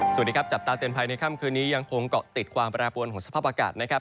สวัสดีครับจับตาเตือนภัยในค่ำคืนนี้ยังคงเกาะติดความแปรปวนของสภาพอากาศนะครับ